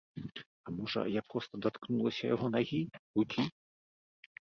А можа, я проста даткнулася яго нагі, рукі?